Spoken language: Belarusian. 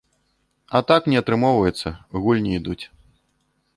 А так, не атрымоўваецца, гульні ідуць.